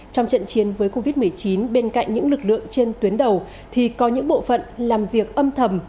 trong trận chiến với covid một mươi chín bên cạnh những lực lượng trên tuyến đầu thì có những bộ phận làm việc âm thầm